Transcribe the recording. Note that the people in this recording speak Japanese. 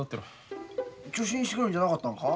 助手にしてくれるんじゃなかったのか？